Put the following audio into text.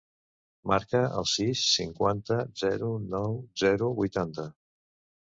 Marca el sis, cinquanta, zero, nou, zero, vuitanta.